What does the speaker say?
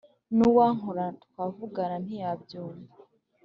N’uwankora twavugana ntiyanyumva;